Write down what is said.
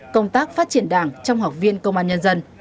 công tác phát triển đảng trong học viên công an nhân dân